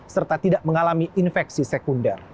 serta tidak mengalami infeksi sekunder